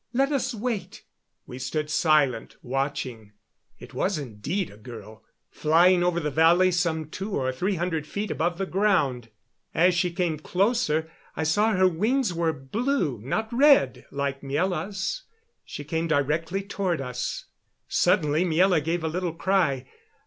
"Let us wait." We stood silent, watching. It was indeed a girl, flying over the valley some two or three hundred feet above the ground. As she came closer I saw her wings were blue, not red like Miela's. She came directly toward us. Suddenly Miela gave a little cry.